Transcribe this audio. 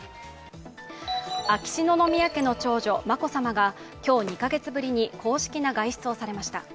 秋篠宮家の長女、眞子さまが今日２カ月ぶりに公式な外出をされました。